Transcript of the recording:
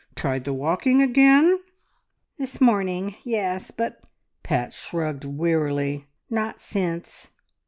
Tried the walking again?" "This morning. Yes. But " Pat shrugged wearily "not since.